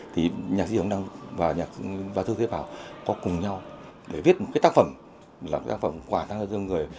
thì nhạc sĩ hồng đăng và thư thiết bảo có cùng nhau để viết một cái tác phẩm là một tác phẩm quả thân thương người